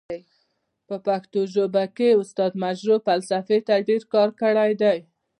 په پښتو ژبه کې استاد مجرح فلسفې ته ډير کار کړی دی.